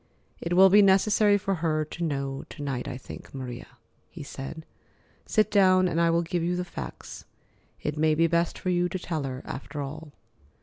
"It will be necessary for her to know to night, I think, Maria," he said. "Sit down and I will give you the facts. It may be best for you to tell her, after all."